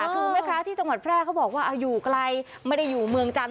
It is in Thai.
คือแม่ค้าที่จังหวัดแพร่เขาบอกว่าอยู่ไกลไม่ได้อยู่เมืองจันท